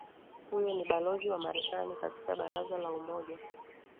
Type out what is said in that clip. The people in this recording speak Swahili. huyo ni balozi wa marekani katika baraza la umoja